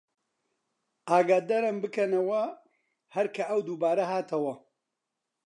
ئاگەدارم بکەنەوە هەر کە ئەو دووبارە هاتەوە